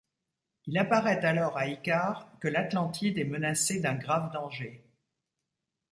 Il apparaît alors à Icare que l'Atlantide est menacée d'un grave danger.